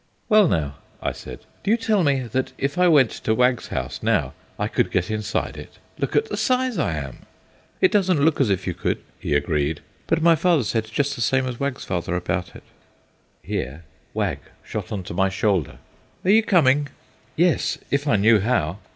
"Well now," I said, "do you tell me that if I went to Wag's house now, I could get inside it? Look at the size I am!" "It doesn't look as if you could," he agreed, "but my father said just the same as Wag's father about it." Here Wag shot on to my shoulder. "Are you coming?" "Yes, if I knew how."